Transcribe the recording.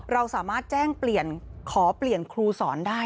เราสามารถแจ้งเปลี่ยนขอเปลี่ยนครูสอนได้